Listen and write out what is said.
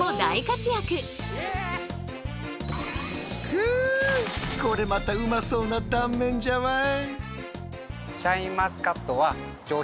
くっこれまたうまそうな断面じゃわい。